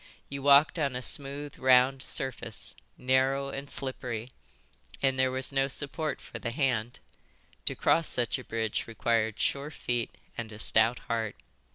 You walked on a smooth, round surface, narrow and slippery, and there was no support for the hand. To cross such a bridge required sure feet and a stout heart.